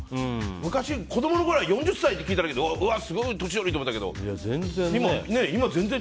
昔子供のころは４０歳って聞いたらうわ、すごい年寄りって思ってたけど今、全然。